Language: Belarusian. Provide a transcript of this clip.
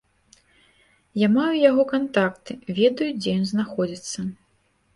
Я маю яго кантакты, ведаю, дзе ён знаходзіцца.